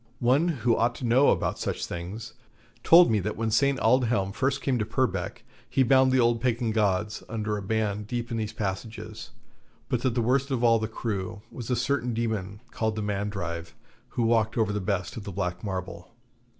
One who ought to know about such things, told me that when St. Aldhelm first came to Purbeck, he bound the old Pagan gods under a ban deep in these passages, but that the worst of all the crew was a certain demon called the Mandrive, who watched over the best of the black marble.